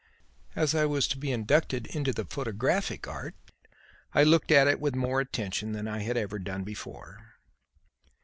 As I was to be inducted into the photographic art, I looked at it with more attention than I had ever done before.